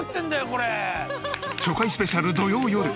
初回スペシャル土曜よる。